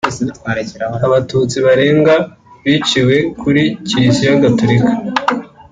Abatutsi barenga biciwe kuri Kiliziya Gatorika